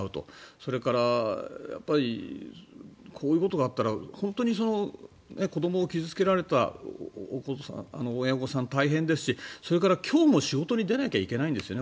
それから、やっぱりこういうことがあったら本当に子どもを傷付けられた親御さん、大変ですしそれから今日も仕事に出なければいけないんですよね